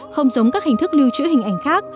không giống các hình thức lưu trữ hình ảnh khác